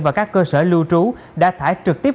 và các cơ sở lưu trú đã thải trực tiếp